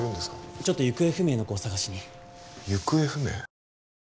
ちょっと行方不明の子を捜しに行方不明？